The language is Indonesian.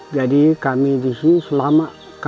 jadi kami disini selamat